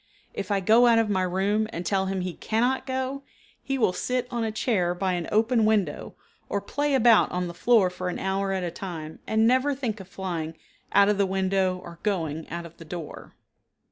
If I go out of my room and tell him he cannot go, he will sit on a chair by an open window or play about on the floor for an hour at a time, and never think of flying out of the window or going out of the door.